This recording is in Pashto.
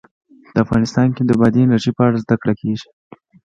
افغانستان کې د بادي انرژي په اړه زده کړه کېږي.